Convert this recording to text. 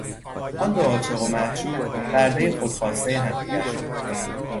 آن دو عاشق و معشوق بردهی خودخواستهی همدیگر شدند.